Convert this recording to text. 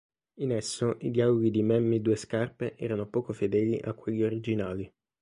In esso i dialoghi di Mammy Due Scarpe erano poco fedeli a quelli originali.